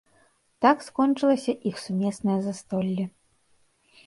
Так скончылася іх сумеснае застолле.